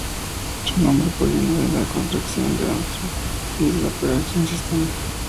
Su nombre proviene de la contracción de Amstrad Disc Operating System.